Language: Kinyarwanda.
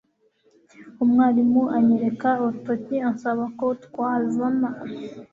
umwarimu anyereka urutoki ansaba ko twazana